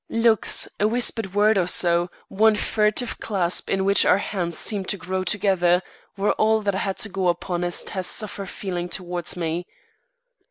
Looks, a whispered word or so, one furtive clasp in which our hands seemed to grow together, were all I had to go upon as tests of her feeling towards me.